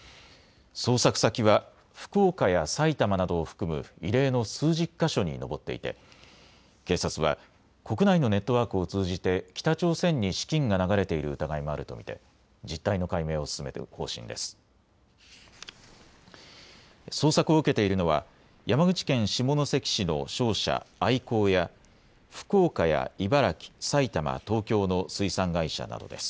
捜索先は福岡や埼玉などを含む異例の数十か所に上っていて警察は国内のネットワークを通じて北朝鮮に資金が流れている疑いもあると見て実態の解明を進める方針です。